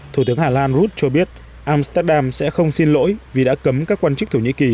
thủ tướng hà lan rud cho biết amsterdam sẽ không xin lỗi vì đã cấm các quan chức thổ nhĩ kỳ